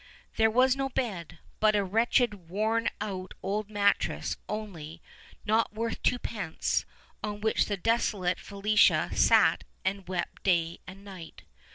There was no bed, but a wretched, worn out old mattress only, not worth twopence, on which the desolate Felicia sat and wept day and night.